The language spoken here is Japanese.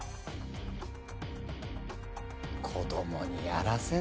子供にやらせるなよ